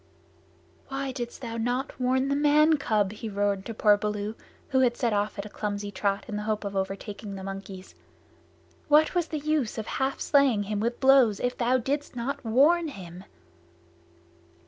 "Why didst thou not warn the man cub?" he roared to poor Baloo, who had set off at a clumsy trot in the hope of overtaking the monkeys. "What was the use of half slaying him with blows if thou didst not warn him?"